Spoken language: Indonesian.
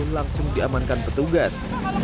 langsung diamankan petugas